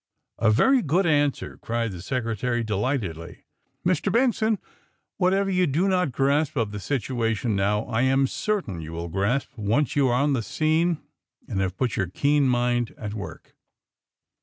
^*A very good answer!" cried the Secretary delightedly. ^' Mr. Benson, whatever you do not grasp of the situation now I am certain you will grasp once you are on the scene and have put your keen mind at work.